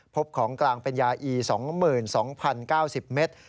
พบของกลางเป็นยาอี๒๒๐๙๐เมตร